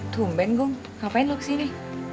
tumben gong ngapain lo kesini